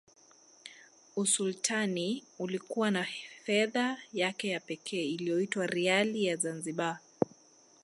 Usultani ulikuwa na fedha yake ya pekee iliyoitwa Riali ya Zanzibar